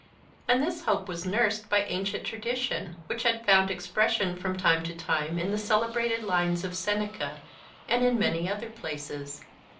And this hope was nursed by ancient tradition, which had found expression from time to time in the celebrated lines of Seneca and in many other places.